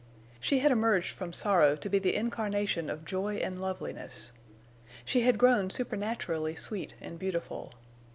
She had emerged from sorrow to be the incarnation of joy and loveliness. She had grown supernaturally sweet and beautiful.